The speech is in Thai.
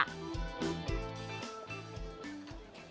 ปัญหาช้างเร่อร่อนด้วยค่ะ